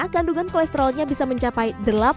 kandungan kolesterolnya bisa menjadi sekitar seratus gram